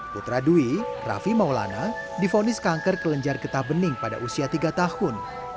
putra dwi raffi maulana difonis kanker kelenjar getah bening pada usia tiga tahun